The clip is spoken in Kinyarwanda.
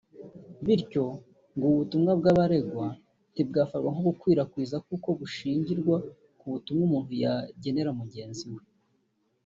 Bityo ngo ubutumwa bw’aba baregwa ntibwafatwa nko gukwirakwiza kuko bishingirwa ku butumwa umuntu yageneraga mugenzi we